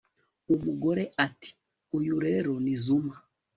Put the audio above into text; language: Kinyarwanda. umugore ati uyu rero ni zuma